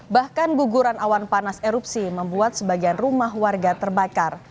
bahkan guguran awan panas erupsi membuat sebagian rumah warga terbakar